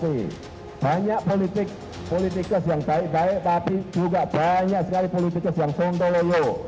hati hati banyak politik politikers yang baik baik tapi juga banyak sekali politikers yang sontoloyo